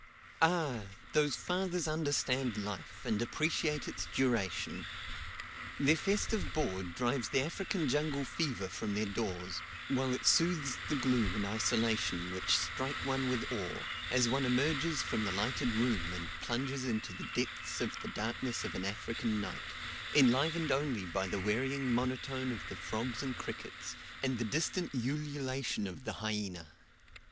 Ah! those fathers understand life, and appreciate its duration. Their festive board drives the African jungle fever from their doors, while it soothes the gloom and isolation which strike one with awe, as one emerges from the lighted room and plunges into the depths of the darkness of an African night, enlivened only by the wearying monotone of the frogs and crickets, and the distant ululation of the hyena.